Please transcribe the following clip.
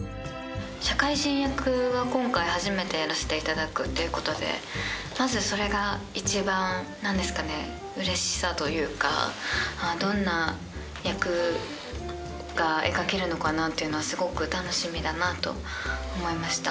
社会人役は今回初めてやらせていただくということでまずそれが一番何ですかねうれしさというかどんな役が描けるのかなというのはすごく楽しみだなと思いました。